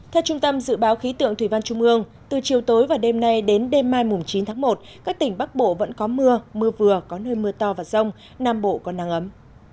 theo trung tâm dự báo khí tượng thủy văn trung ương từ chiều tối và đêm nay đến đêm mai chín tháng một các tỉnh bắc bộ vẫn có mưa mưa vừa có nơi mưa to và rông nam bộ có nắng ấm